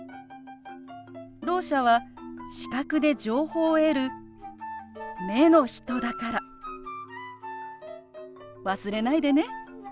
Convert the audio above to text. ろう者は視覚で情報を得る「目の人」だから忘れないでね。